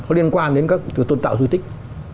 có liên quan đến các tư tư tạo duy tích